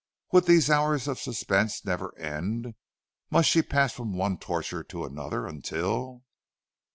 Would these hours of suspense never end? Must she pass from one torture to another until